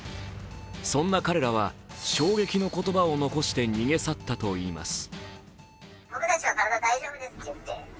そんな彼らは、衝撃の言葉を残して逃げ去ったといいます。